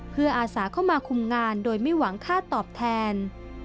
เพื่ออาสาเข้ามาคุมงานโดยไม่หวังค่าตอบแทน